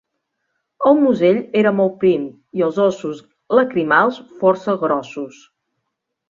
El musell era molt prim i els ossos lacrimals força grossos.